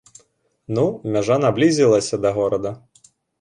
Ну, мяжа наблізілася да горада.